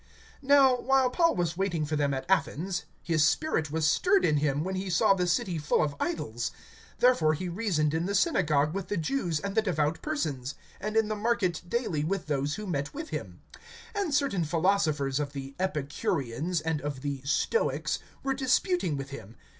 (16)Now while Paul was waiting for them at Athens, his spirit was stirred in him, when he saw the city full of idols. (17)Therefore he reasoned in the synagogue with the Jews and the devout persons, and in the market daily with those who met with him. (18)And certain philosophers of the Epicureans, and of the Stoics, were disputing with him.